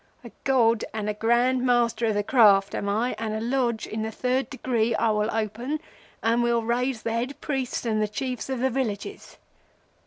A god and a Grand Master of the Craft am I, and a Lodge in the Third Degree I will open, and we'll raise the head priests and the Chiefs of the villages.